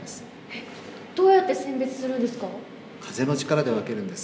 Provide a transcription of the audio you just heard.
えっどうやって選別するんですか？